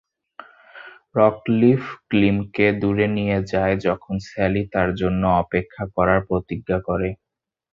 Rockliffe ক্লিমকে দূরে নিয়ে যায়, যখন স্যালি তার জন্য অপেক্ষা করার প্রতিজ্ঞা করে।